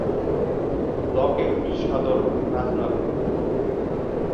ব্লকের সদর রাজনগর।